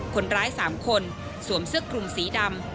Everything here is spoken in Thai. คนร้ายสามคนสวมเสื้อกรุงสีดำ